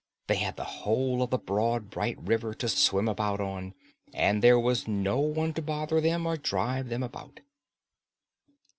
They had the whole of the broad bright river to swim about on, and there was no one to bother them or drive them about.